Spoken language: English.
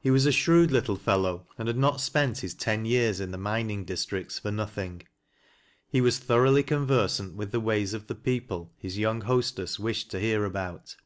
He was a shrewd little fellow and had not spent his ten years iu the mining districts for nothing. He was thoroughly conversant with the ways of the people his young hostess wished to hear about.